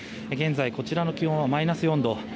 現在、こちらの気温はマイナス４度。